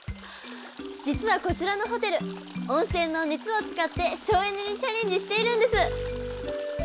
実はこちらのホテル温泉の熱を使って省エネにチャレンジしているんです！